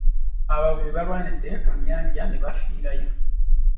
Abavubi balwanidde ku nnyanja ne bafiirayo.